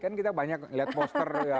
kan kita banyak lihat poster